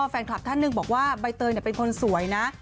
แฟนคลับท่านหนึ่งบอกว่าใบเตยเป็นคนสวยนะ